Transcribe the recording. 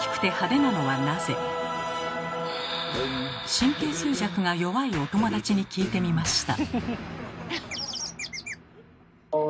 神経衰弱が弱いお友達に聞いてみました。